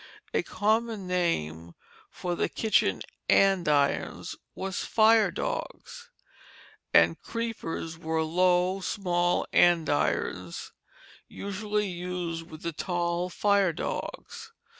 A common name for the kitchen andirons was fire dogs; and creepers were low, small andirons, usually used with the tall fire dogs.